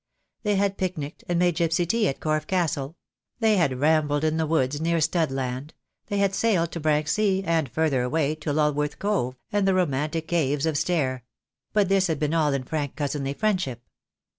They had pic nicked and made gipsy tea at Corfe Castle; they had rambled in the woods near Studland; they had sailed to Branksea, and, further away, to Lulworth Cove, and the romantic caves of Stare; but this had been all in frank cousinly friendship.